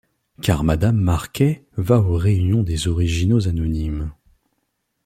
Car Madame Marquet va aux réunions des originaux anonymes.